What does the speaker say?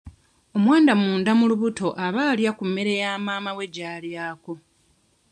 Omwana munda mu lubuto aba alya ku mmere maama we gy'alyako.